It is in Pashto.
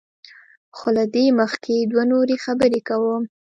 خو له دې مخکې دوه نورې خبرې کوم.